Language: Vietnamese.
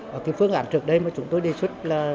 và cái phương án trước đây mà chúng tôi đề xuất là